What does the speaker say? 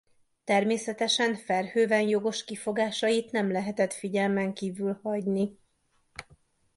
Természetesen Verhoeven jogos kifogásait nem lehetett figyelmen kívül hagyni.